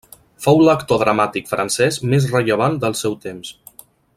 Fou l'actor dramàtic francès més rellevant del seu temps.